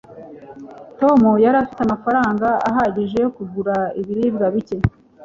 tom yari afite amafaranga ahagije yo kugura ibiribwa bike